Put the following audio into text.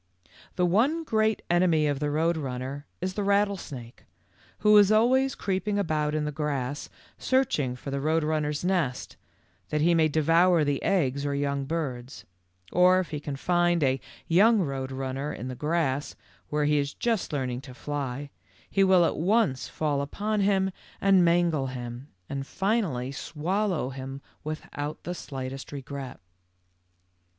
w The one great enemy of the Road Runner is the rattlesnake, who is always creeping about in the grass searching for the Road Run es o ner's nest that he may devour the eggs or young birds ; or if he can find a young Road Runner in the grass where he is just learning to fly, he will at once fall upon him and mangle THE END OF BLACK LIGHTNING. 91 him, and finally swallow him without the slightest regret."